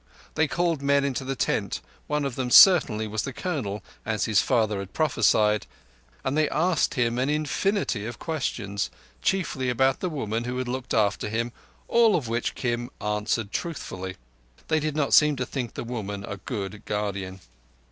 They called men into the tent—one of them certainly was the Colonel, as his father had prophesied—and they asked him an infinity of questions, chiefly about the woman who looked after him, all of which Kim answered truthfully. They did not seem to think the woman a good guardian.